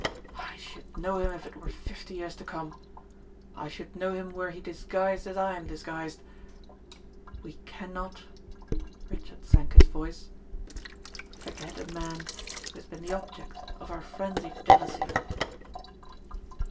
"I should know him if it were fifty years to come; I should know him were he disguised as I am disguised. We cannot," Richard sank his voice, "forget a man who has been the object of our frenzied jealousy."